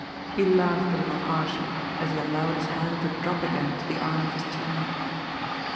He laughed a little harshly, as he allowed his hand to drop again to the arm of his chair.